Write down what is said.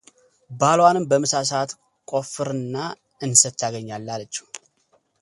ባሏንም በምሳ ሰዓትም ቆፍርና እንሰት ታገኛለህ አለችው፡፡